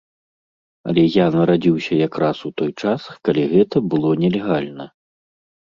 Але я нарадзіўся якраз у той час, калі гэта было нелегальна.